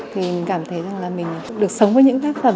thì mình cảm thấy rằng là mình được sống với những tác phẩm